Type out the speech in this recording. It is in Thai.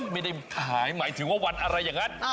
ไม่ได้ขายหมายถึงว่าวันอะไรอย่างนั้น